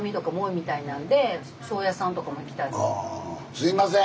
すいません。